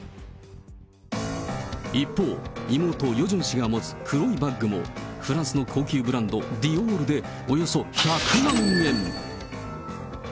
一方、妹、ヨジョン氏が持つ黒いバッグも、フランスの高級ブランド、ディオールで、およそ１００万円。